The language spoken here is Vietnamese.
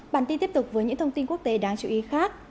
bản tin tiếp tục với những thông tin quốc tế đáng chú ý khác